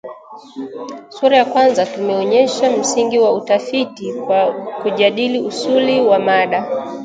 Sura ya kwanza tumeonyesha msingi wa utafiti kwa kujadili usuli wa mada